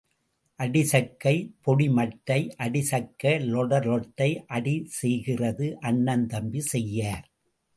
அடி சக்கை பொடி மட்டை அடி சக்கை, லொட லொட்டை அடி செய்கிறது அண்ணன் தம்பி செய்யார்.